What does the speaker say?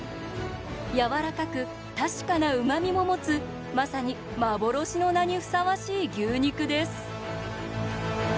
やわらかく確かなうまみも持つまさに幻の名にふさわしい牛肉です。